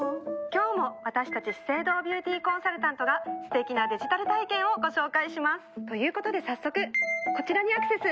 今日も私たち資生堂ビューティーコンサルタントがすてきなデジタル体験をご紹介します。ということで早速こちらにアクセス！